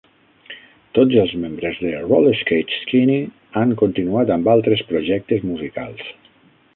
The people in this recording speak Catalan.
Tots els membres de Rollerskate Skinny han continuat amb altres projectes musicals.